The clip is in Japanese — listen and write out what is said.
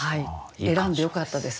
選んでよかったです